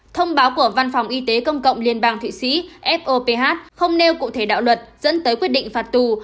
thông báo của văn phòng y tế công cộng liên bang thụy sĩ foph không nêu cụ thể đạo luật dẫn tới quyết định phạt tù